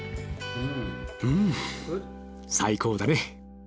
うん最高だね。